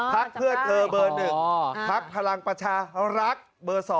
พักเพื่อเธอเบอร์๑พักพลังประชารักษ์เบอร์๒